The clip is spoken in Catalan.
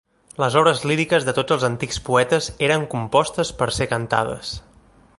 Les obres líriques de tots els antics poetes eren compostes per ser cantades.